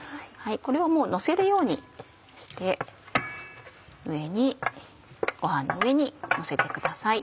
これはもうのせるようにしてご飯の上にのせてください。